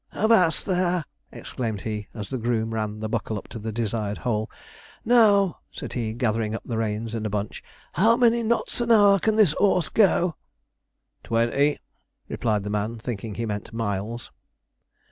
'Avast there!' exclaimed he, as the groom ran the buckle up to the desired hole. 'Now,' said he, gathering up the reins in a bunch, 'how many knots an hour can this 'orse go?' 'Twenty,' replied the man, thinking he meant miles.